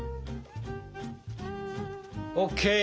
ＯＫ！